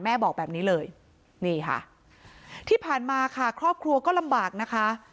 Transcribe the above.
บอกแบบนี้เลยนี่ค่ะที่ผ่านมาค่ะครอบครัวก็ลำบากนะคะ